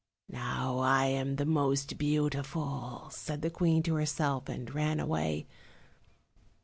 "Now I am the most beautiful," said the Queen to herself, and ran away.